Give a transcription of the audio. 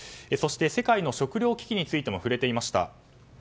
そして世界の食糧危機についても触れていました。